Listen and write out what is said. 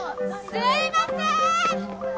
すいませーん！